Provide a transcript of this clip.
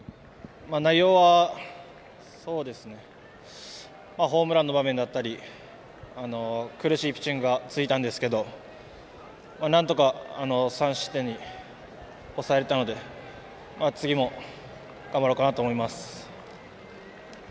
内容はホームランの場面だったり苦しいピッチングが続いたんですけどなんとか３失点に抑えられたので次も頑張ろうかなと思います。